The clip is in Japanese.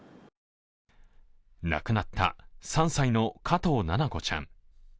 亡くなった３歳の加藤七菜子ちゃん